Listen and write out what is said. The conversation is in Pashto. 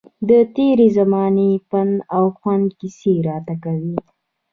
د تېرې زمانې پند او خوند کیسې راته کوي.